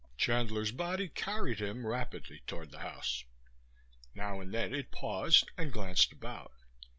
V Chandler's body carried him rapidly toward the house. Now and then it paused and glanced about.